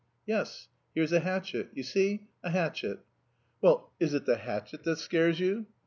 "Yes, here's a hatchet. You see, a hatchet." "Well, is it the hatchet that scares you?"